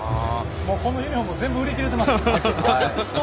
このユニホームも全部売り切れてました。